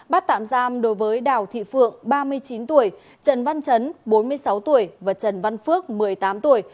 bắt tạm giam đối với đào thị phượng ba mươi chín tuổi trần văn chấn bốn mươi sáu tuổi và trần văn phước một mươi tám tuổi